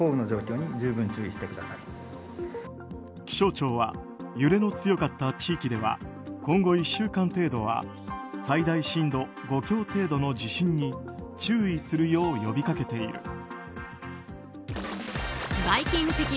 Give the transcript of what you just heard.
気象庁は揺れの強かった地域では今後１週間程度は最大震度５強程度の地震に注意するよう呼びかけている。